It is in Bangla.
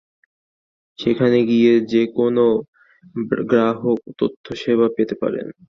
সেখানে গিয়ে যে কোনো গ্রাহক তথ্যসেবা পেতে পারেন।